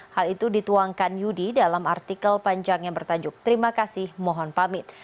hal itu dituangkan yudi dalam artikel panjang yang bertajuk terima kasih mohon pamit